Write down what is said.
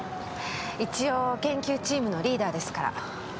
一応研究チームのリーダーですから。